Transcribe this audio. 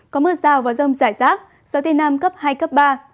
có mưa rào và rông rải rác gió tây nam cấp hai cấp ba